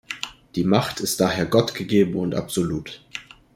Die Macht ist daher gottgegeben und absolut.